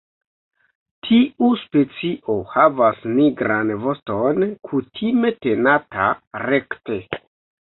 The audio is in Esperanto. Tiu specio havas nigran voston kutime tenata rekte.